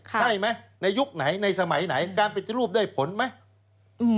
ใช่ไหมในยุคไหนในสมัยไหนการปฏิรูปได้ผลไหม